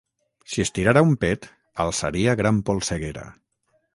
Si es tirara un pet, alçaria gran polseguera.